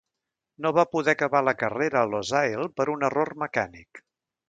No va poder acabar la carrera a Losail per un error mecànic.